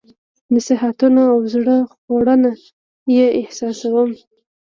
نصيحتونه او زړه خوړنه یې احساسوم.